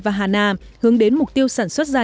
vahana hướng đến mục tiêu sản xuất ra